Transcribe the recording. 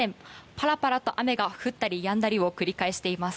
ぱらぱらと雨が降ったりやんだりを繰り返しています。